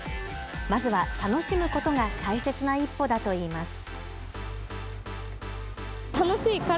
まずは楽しむことが大切な一歩だといいます。